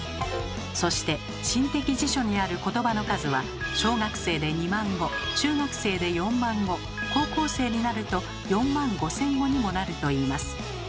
そして心的辞書にある言葉の数は小学生で２万語中学生で４万語高校生になると４万５千語にもなるといいます。